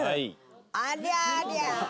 ありゃりゃ。